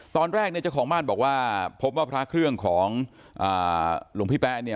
ตอนแรกเนี่ยเจ้าของบ้านบอกว่าพบว่าพระเครื่องของหลวงพี่แป๊ะเนี่ย